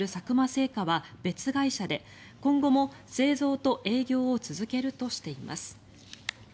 製菓は別会社で、今後も製造と営業を続けるとしています。